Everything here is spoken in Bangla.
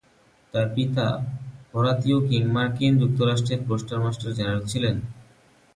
তার পিতা হোরাতিও কিং মার্কিন যুক্তরাষ্ট্রের পোস্টমাস্টার জেনারেল ছিলেন।